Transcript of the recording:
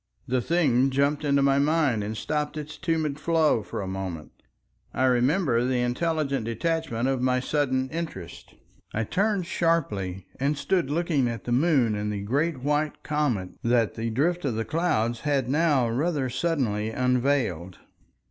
The thing jumped into my mind and stopped its tumid flow for a moment. I remember the intelligent detachment of my sudden interest. I turned sharply, and stood looking at the moon and the great white comet, that the drift of the clouds had now rather suddenly unveiled.